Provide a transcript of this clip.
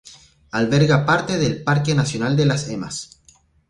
Alberga parte del Parque Nacional de las Emas.